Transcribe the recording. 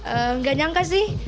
enggak nyangka sih